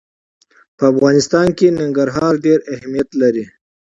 په افغانستان کې ننګرهار ډېر اهمیت لري.